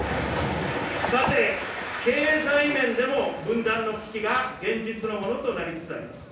さて、経済面でも分断の危機が現実のものとなりつつあります。